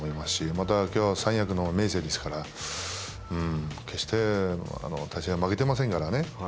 またきょうは三役の明生ですから決して立ち合い負けてませんからね。